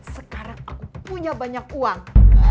sekarang aku punya banyak uang